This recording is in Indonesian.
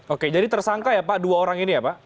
oke jadi tersangka ya pak dua orang ini ya pak